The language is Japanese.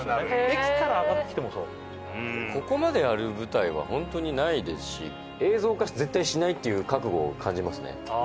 駅から上がってきてもそうここまでやる舞台はホントにないですし映像化絶対しないっていう覚悟を感じますね